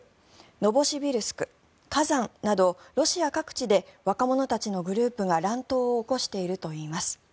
ノボシビルスク、カザンなどロシア各地で若者たちのグループが乱闘を起こしているといいます。